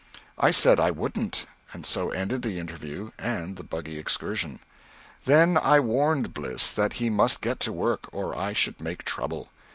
I said I wouldn't and so ended the interview and the buggy excursion. Then I warned Bliss that he must get to work or I should make trouble.